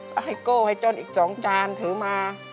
ก็ให้โก้ให้จนอีก๒จานถือมา